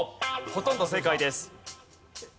ほとんど正解です。